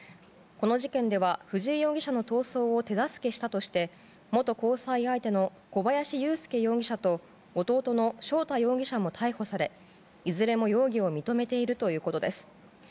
この事件では藤井容疑者の逃走を手助けしたとして元交際相手の小林優介容疑者と弟の翔太容疑者も逮捕されいずれも容疑を認めているということです。